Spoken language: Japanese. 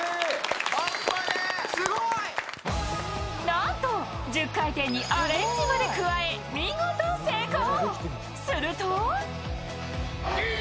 なんと１０回転にアレンジまで加え見事、成功。